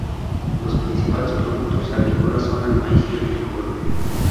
Los principales productos agrícolas son el maíz y el frijol.